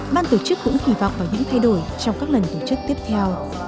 ban tổ chức cũng kỳ vọng vào những thay đổi trong các lần tổ chức tiếp theo